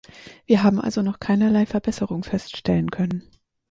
Wir haben also noch keinerlei Verbesserung feststellen können.